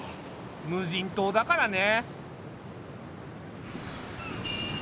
無人島だからね。